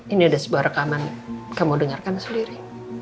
ini ada sebuah rekaman kamu dengarkan sendiri